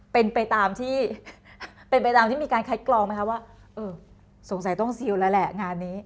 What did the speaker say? เป็นไปตามที่มีการคัดกรองไหมครับว่าสงสัยต้องซิลแล้วแหละงานนี้